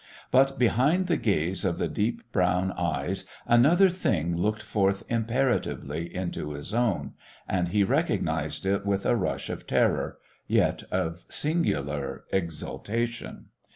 But behind the gaze of the deep brown eyes another thing looked forth imperatively into his own. And he recognised it with a rush of terror, yet of singular exultation.